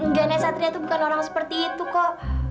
enggak nek satria tuh bukan orang seperti itu kok